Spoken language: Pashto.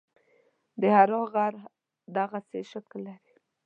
د حرا غر دغسې شکل لري.